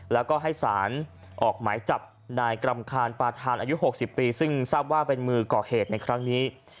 แล้วก็ให้สารออกหมายจับนายกรรมคานปาธานอายุ๖๐ปีซึ่งทราบว่าเป็นมือก่อเหตุในครั้งนี้